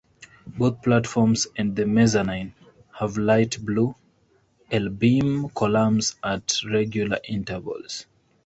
Both platforms and the mezzanine have light blue I-beam columns at regular intervals.